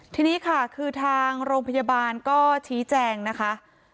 ทีนี้ค่ะคือทางโรงพยาบาลก็ชี้แจงนะคะ